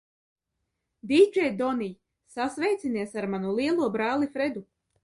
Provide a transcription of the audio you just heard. Dīdžej Donij, sasveicinies ar manu lielo brāli Fredu!